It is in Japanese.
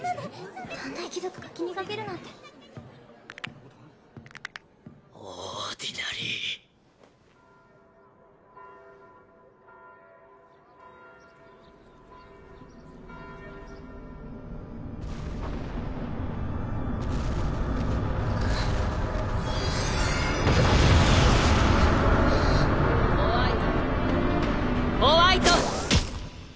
・三大貴族が気にかけるなんてオーディナリーホワイトホワイト！